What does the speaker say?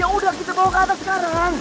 ya udah kita bawa ke atas sekarang